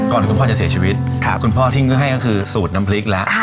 ก่อนคุณพ่อจะเสียชีวิตคุณพ่อทิ้งให้ก็คือสูตรน้ำพริกแล้ว